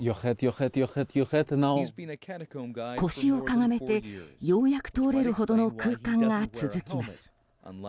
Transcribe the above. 腰をかがめてようやく通れるほどの空間が続きます。